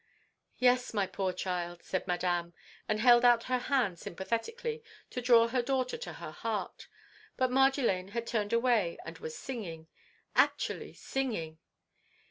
"Yes, my poor child," said Madame, and held out her hand sympathetically to draw her daughter to her heart. But Marjolaine had turned away, and was singing! Actually singing!